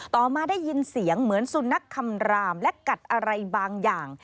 ต่อมาได้ยินเสียงเหมือนสุนัขคำรามและกัดอะไรบางอย่าง